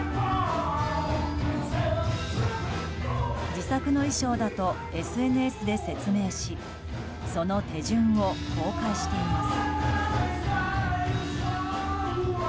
自作の衣装だとＳＮＳで説明しその手順を公開しています。